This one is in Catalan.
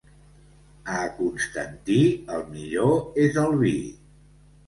A Constantí el millor és el vi.